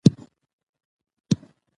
ښایسته مرغه پر دوی باندي خندله